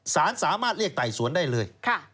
สารสามารถเรียกไต่สวนได้เลย